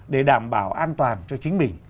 để đảm bảo an toàn cho chính mình